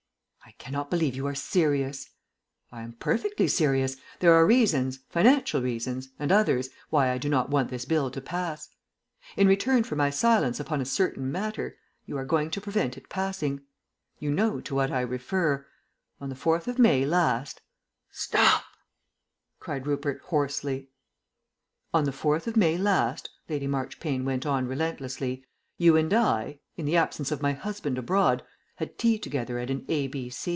"I cannot believe you are serious." "I am perfectly serious. There are reasons, financial reasons and others why I do not want this Bill to pass. In return for my silence upon a certain matter, you are going to prevent it passing. You know to what I refer. On the 4th of May last " "Stop!" cried Rupert hoarsely. "On the 4th of May last," Lady Marchpane went on relentlessly, "you and I in the absence of my husband abroad had tea together at an A.